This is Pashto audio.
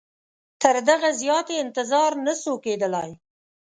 تر دغه زیات یې انتظار نه سو کېدلای.